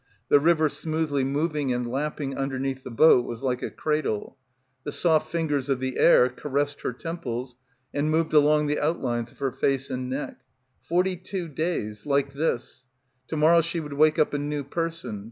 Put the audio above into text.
The river smoothly moving and lap ping underneath the boat was like a cradle. The soft lingers of the air caressed her temples and moved along the outlines of her face and neck. Forty two days ... like this. To morrow she would wake up a new person